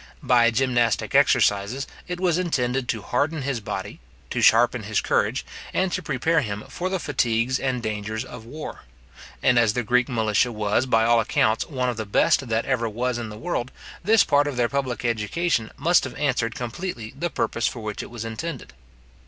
By gymnastic exercises, it was intended to harden his body, to sharpen his courage, and to prepare him for the fatigues and dangers of war; and as the Greek militia was, by all accounts, one of the best that ever was in the world, this part of their public education must have answered completely the purpose for which it was intended.